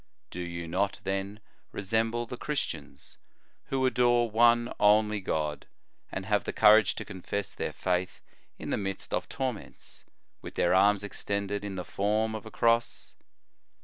Do you not, then, resemble the Christians, who adore one only God, and have the courage to confess their C> faith in the midst of torments, with their arms extended in the form of a Cross